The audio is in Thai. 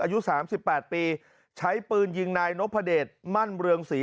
อายุสามสิบแปดปีใช้ปืนยิงนายนกพระเดชมั่นเรืองศรี